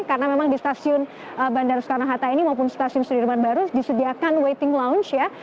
karena memang di stasiun bandar sukarno hatta ini maupun stasiun sudirman baru disediakan waiting lounge ya